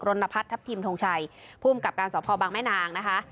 ณพัฒนทัพทิมทงชัยภูมิกับการสอบพอบางแม่นางนะคะ